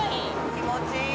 気持ちいい。